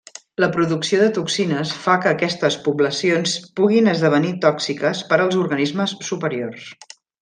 La producció de toxines fa que aquestes poblacions puguin esdevenir tòxiques per als organismes superiors.